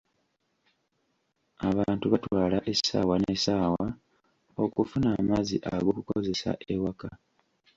Abantu batwala essaawa n'essaawa okufuna amazzi ag'okukozesa ewaka.